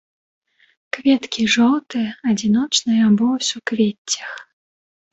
Кветкі жоўтыя, адзіночныя або ў суквеццях.